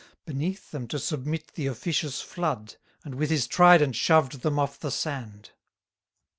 Beneath them to submit the officious flood; And with his trident shoved them off the sand.